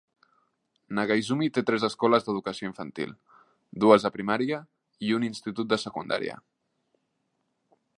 Nagaizumi té tres escoles d'educació infantil, dues de primària i un institut de secundària.